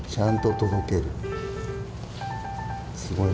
すごいな。